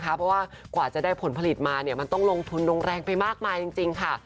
เพราะว่ากว่าจะได้ผลผลิตมามันต้องลงทุนลงแรงไปมากมายจริงค่ะ